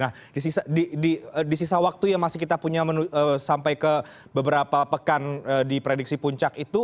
nah di sisa waktu yang masih kita punya sampai ke beberapa pekan di prediksi puncak itu